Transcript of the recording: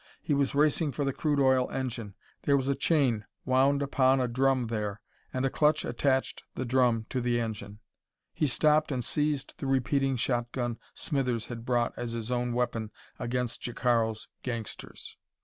He was racing for the crude oil engine. There was a chain wound upon a drum, there, and a clutch attached the drum to the engine. He stopped and seized the repeating shotgun Smithers had brought as his own weapon against Jacaro's gangsters.